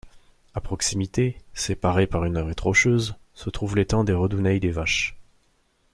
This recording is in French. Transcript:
À proximité, séparé par une arête rocheuse, se trouve l'étang des Redouneilles des vaches.